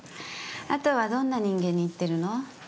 あとはどんな人間に行ってるの？